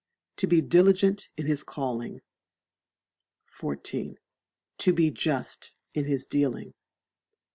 To be diligent in his calling. xiv. To be just in his dealing.